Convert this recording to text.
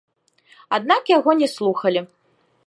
Аднак яго не слухалі.